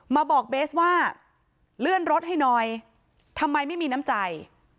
มาบอกเบสว่าเลื่อนรถให้หน่อยทำไมไม่มีน้ำใจ